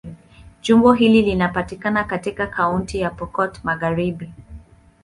Jimbo hili linapatikana katika Kaunti ya Pokot Magharibi.